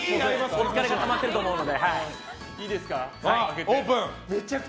お疲れがたまっていると思うので。